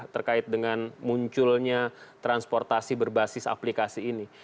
terkait dengan munculnya transportasi berbasis aplikasi ini